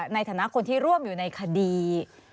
ในฐานะคนที่ร่วมอยู่ในคดี